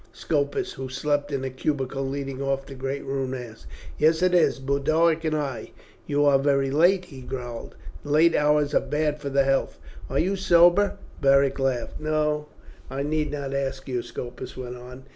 Scopus, who slept in a cubicule leading off the great room, asked. "Yes it is; Boduoc and I." "You are very late," he growled. "Late hours are bad for the health. Are you sober?" Beric laughed. "No, I need not ask you," Scopus went on.